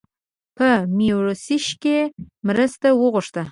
په میوریشیس کې مرسته وغوښته.